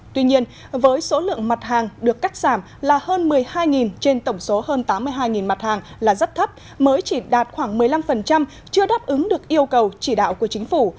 tuy nhiên với số lượng mặt hàng được cắt giảm là hơn một mươi hai trên tổng số hơn tám mươi hai mặt hàng là rất thấp mới chỉ đạt khoảng một mươi năm chưa đáp ứng được yêu cầu chỉ đạo của chính phủ